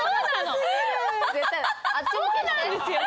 そうなんですよ！